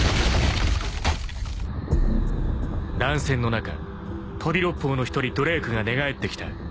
［乱戦の中飛び六胞の一人ドレークが寝返ってきた］